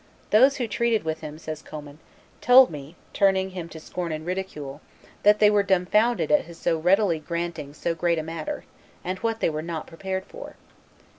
"Those who treated with him," says Commynes, "told me, turning him to scorn and ridicule, that they were dumbfounded at his so readily granting so great a matter and what they were not prepared for."